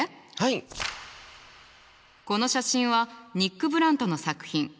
この写真はニック・ブラントの作品。